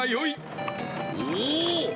おお！